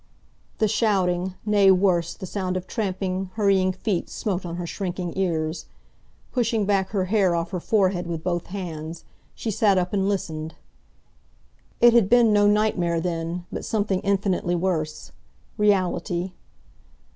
The shouting—nay, worse, the sound of tramping, hurrying feet smote on her shrinking ears. Pushing back her hair off her forehead with both hands, she sat up and listened. It had been no nightmare, then, but something infinitely worse—reality.